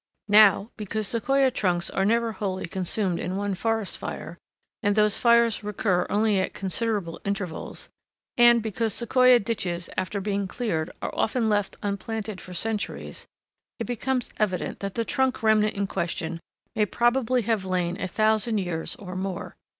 Now, because Sequoia trunks are never wholly consumed in one forest fire, and those fires recur only at considerable intervals, and because Sequoia ditches after being cleared are often left unplanted for centuries, it becomes evident that the trunk remnant in question may probably have lain a thousand years or more.